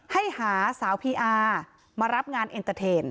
ให้หาสาวพีอาร์มารับงานเอ็นเตอร์เทน